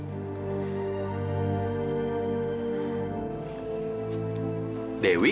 kamu ada di sini wi